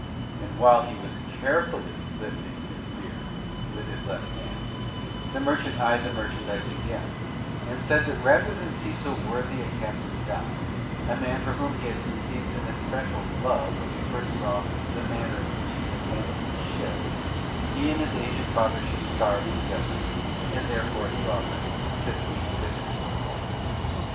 And while he was carefully lifting he beard with his left hand, the merchant eyed the merchandise again, and said that rather than see so worthy a captain die, a man for whom he had conceived an especial love when first he saw the manner in which he handled his ship, he and his aged father should starve together and therefore he offered fifteen piffeks more.